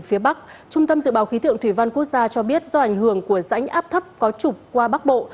phía bắc trung tâm dự báo khí tượng thủy văn quốc gia cho biết do ảnh hưởng của rãnh áp thấp có trục qua bắc bộ